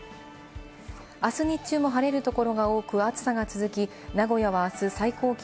あす日中も晴れるところが多く、暑さが続き、名古屋はあす最高気